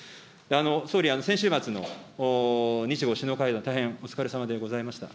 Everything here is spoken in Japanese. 総理、先週末の日豪首脳会談、大変お疲れさまでございました。